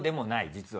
実は。